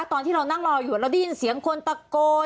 ตอนที่เรานั่งรออยู่เราได้ยินเสียงคนตะโกน